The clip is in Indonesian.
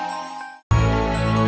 makasih ya don